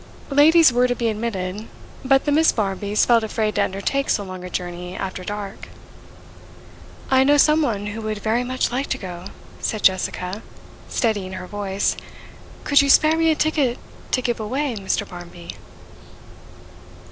Ladies were to be admitted, but the Miss. Barmbys felt afraid to undertake so long a journey after dark. 'I know some one who would very much like to go,' said Jessica, steadying her voice. 'Could you spare me a ticket to give away, Mr Barmby?